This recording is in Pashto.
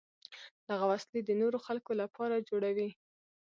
دغه وسلې د نورو خلکو لپاره جوړوي.